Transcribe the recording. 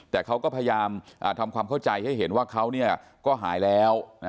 แต่เขาก็พยายามทำความเข้าใจให้เห็นว่าเขาก็หายแล้ว